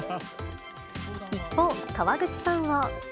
一方、川口さんは。